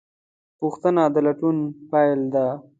پوښتنه د لټون پیل ده.